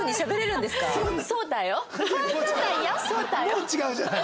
もう違うじゃない！